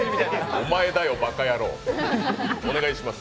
お前だよ、ばか野郎、お願いします。